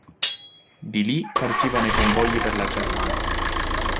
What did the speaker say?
Di li' partivano i convogli per la Germania.